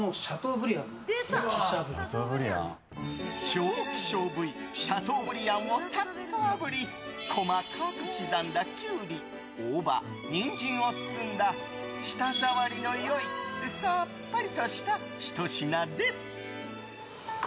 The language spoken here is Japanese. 超希少部位シャトーブリアンをサッとあぶり細かく刻んだキュウリ大葉、ニンジンを包んだ舌触りの良いさっぱりとしたひと品です。